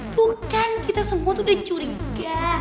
tuh kan kita semua tuh udah curiga